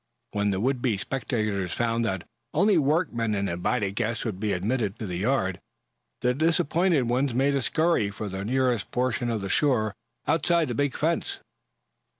When the would be spectators found that only work men and invited guests would be admitted to the yard the disappointed ones made a scurry for the nearest portions of the shore outside the big fence.